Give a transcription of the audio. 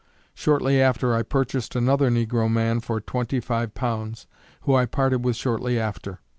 Shortly after I purchased another negro man for twenty five pounds, who I parted with shortly after.